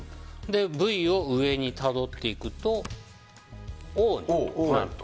Ｖを上にたどっていくとＯになると。